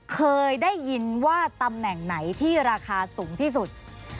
เคยได้ยินว่าตำแหน่งไหนที่ราคาสูงที่สุด